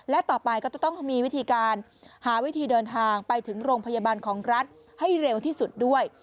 และต่อไปก็จะต้องมีวิธีการหาวิธีเดินทางไปถึงโรงพยาบาลของรัฐให้เร็วที่สุดด้วย